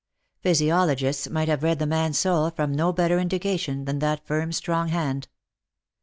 Physiologists might have read the man's soul from no better indication than that firm strong hand.